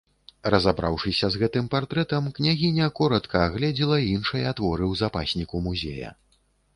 Разабраўшыся з гэтым партрэтам, княгіня коратка агледзела іншыя творы ў запасніку музея.